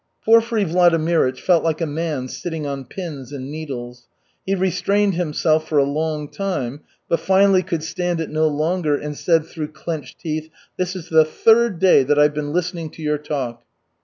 Porfiry Vladimirych felt like a man sitting on pins and needles. He restrained himself for a long time, but finally could stand it no longer and said through clenched teeth: "This is the third day that I've been listening to your talk."